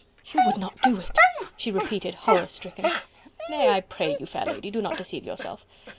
"You would not do it!" she repeated, horror stricken. "Nay! I pray you, fair lady, do not deceive yourself.